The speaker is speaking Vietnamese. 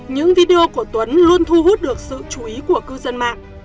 những video của tuấn luôn thu hút được sự chú ý của cư dân mạng